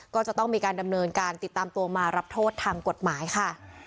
ก็จะต้องมีการดำเนินการติดตามตัวมารับโทษทางกฎหมายค่ะ